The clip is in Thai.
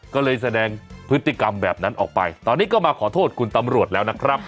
ก็เลยแสดงพฤติกรรมแบบนั้นออกไปตอนนี้ก็มาขอโทษคุณตำรวจแล้วนะครับ